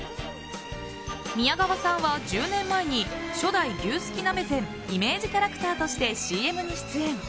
宮川さんは１０年前に初代牛すき鍋膳イメージキャラクターとしてＣＭに出演。